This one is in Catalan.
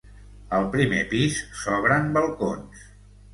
Al primer pis s'obren balcons.